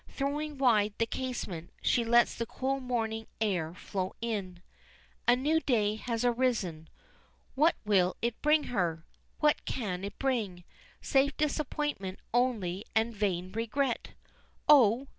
Throwing wide the casement, she lets the cool morning air flow in. A new day has arisen. What will it bring her? What can it bring, save disappointment only and a vain regret? Oh!